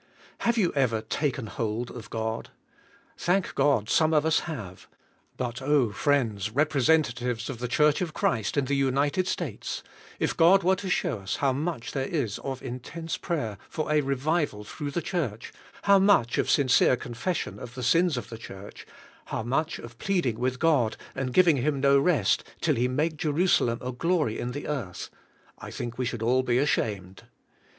Have 3'ou ever taken hold of God? Thank God, some of us have; but oh, friends, representatives of the church of Christ in the United States, if God were to show us how much there is of intense prayer for a revival through the church, how much of sincere confession of the sins of the church, how much of pleading with God and giving Him no rest till He make Jerusalem a glory in the earth, I think we should all be ashamed.